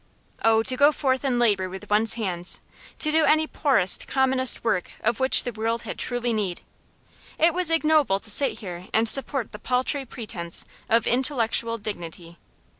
Oh, to go forth and labour with one's hands, to do any poorest, commonest work of which the world had truly need! It was ignoble to sit here and support the paltry pretence of intellectual dignity.